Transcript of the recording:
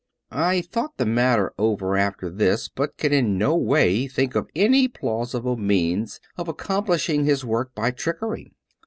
I thought the matter over after this, but could in no way think of any plausible means of accomplishing his work by trickery.